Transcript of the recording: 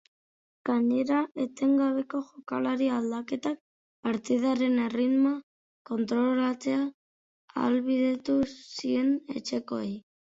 Gainera, etengabeko jokalari aldaketek partidaren erritmoa kontrolatzea ahalbidetu zien etxekoei.